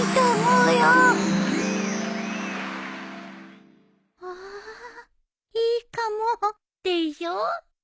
うわいいかも。でしょ？